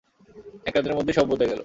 একরাতের মধ্যেই সব বদলে গেলো।